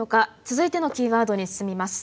続いてのキーワードに進みます。